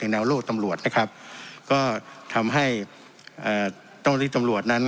แนวโลกตำรวจนะครับก็ทำให้เจ้าหน้าที่ตำรวจนั้น